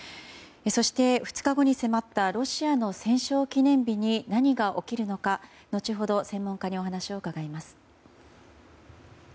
そして、２日後に迫ったロシアの戦勝記念日に何が起きるのか後ほど専門家にお話を伺います。